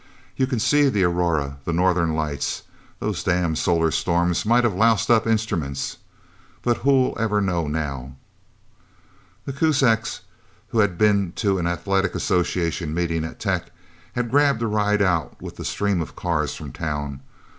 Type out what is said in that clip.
You can see the aurora the Northern Lights... Those damn solar storms might have loused up instruments...! But who'll ever know, now...?" The Kuzaks, who had been to an Athletic Association meeting at Tech, had grabbed a ride out with the stream of cars from town.